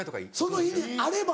その日にあれば。